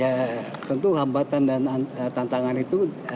ya tentu hambatan dan tantangan itu